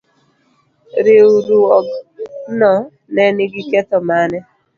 Riwruog no ne nigi ketho mane?